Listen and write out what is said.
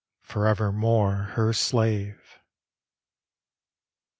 forevermore her slave!